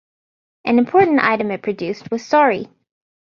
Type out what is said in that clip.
An important item it produced was sari.